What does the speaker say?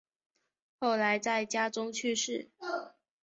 后来在家中去世。